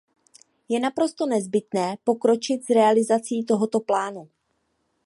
Je naprosto nezbytné pokročit s realizací tohoto plánu.